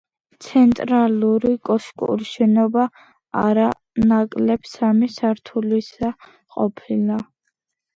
ცენტრალური კოშკური შენობა არა ნაკლებ სამი სართულისა ყოფილა.